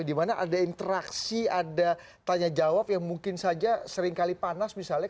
dimana ada interaksi ada tanya jawab yang mungkin saja seringkali panas misalnya